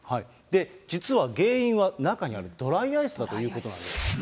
実は原因は、中にあるドライアイスだということなんです。